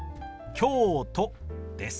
「京都」です。